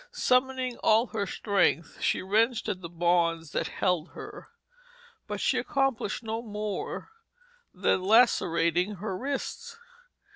Summoning all her strength, she wrenched at the bonds that held her, but she accomplished no more than lacerating her wrists.